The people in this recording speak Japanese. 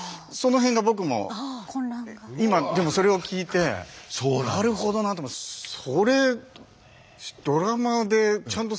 その辺が僕も今でもそれを聞いてなるほどなと思って。